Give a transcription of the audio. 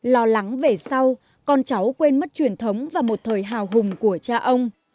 lo lắng về sau con cháu quên mất truyền thống và một thời hào hùng của cha ông